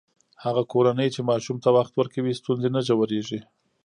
هغه کورنۍ چې ماشوم ته وخت ورکوي، ستونزې نه ژورېږي.